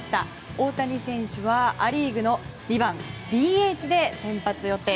大谷選手はア・リーグの２番ＤＨで先発予定。